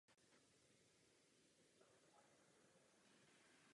Cesta za titulem ovšem nebyla jednoduchá.